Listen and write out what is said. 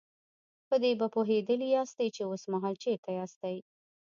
په دې به پوهېدلي ياستئ چې اوسمهال چېرته ياستئ.